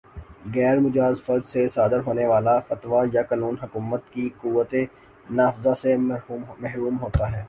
غیر مجاز فرد سے صادر ہونے والا فتویٰ یا قانون حکومت کی قوتِ نافذہ سے محروم ہوتا ہے